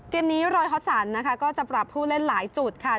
เกมนี้รอยฮอตสันนะคะก็จะปรับผู้เล่นหลายจุดค่ะ